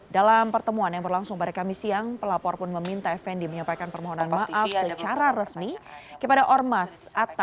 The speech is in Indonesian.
dalam pertemuan yang berlangsung pada kamis siang pelapor pun meminta fnd menyampaikan permohonan maaf secara resmi kepada ormas